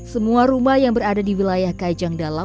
semua rumah yang berada di wilayah kajang dalam